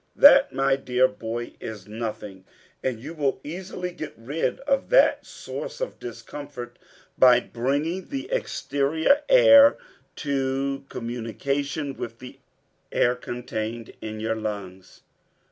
"That, my dear boy, is nothing, and you will easily get rid of that source of discomfort by bringing the exterior air in communication with the air contained in your lungs."